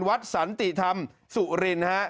วัดสันติธรรมสุรินธรรม